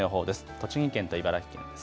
栃木県と茨城県です。